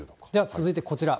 続いてはこちら。